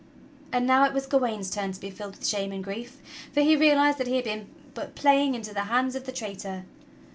And now it was Gawain's turn to be filled with shame and grief, for he realized that he had been but playing into the hands of the traitor.